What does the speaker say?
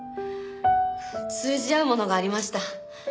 通じ合うものがありました。